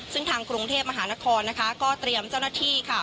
ซึ่งทางกรุงเทพมหานครนะคะก็เตรียมเจ้าหน้าที่ค่ะ